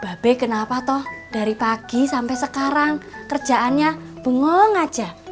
babe kenapa toh dari pagi sampe sekarang kerjaannya bungol ngajak